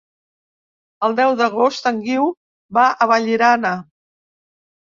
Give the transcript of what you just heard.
El deu d'agost en Guiu va a Vallirana.